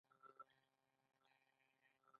هغه د محبوب محبت پر مهال د مینې خبرې وکړې.